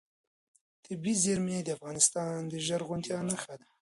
طبیعي زیرمې د افغانستان د زرغونتیا نښه ده.